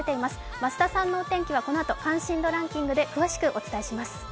増田さんのお天気はこのあと関心度ランキングで詳しくお伝えします。